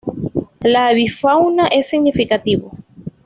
La avifauna es significativa.